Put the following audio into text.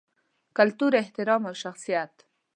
کلتور، احترام او شخصیت